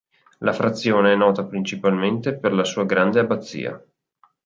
La frazione è nota principalmente per la sua grande abbazia.